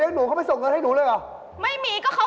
เอาอย่างนี้ดีมา